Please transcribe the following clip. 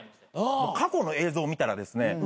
過去の映像見たらですね